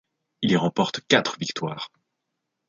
Il y remporte quatre victoires.